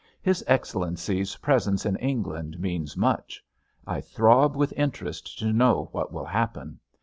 His Excellency's presence in England means much. I throb with interest to know what will happen.